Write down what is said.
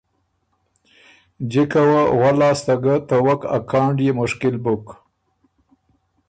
جِکه وه ول لاسته ګۀ ته وک ا کانډيې مُشکل بُک۔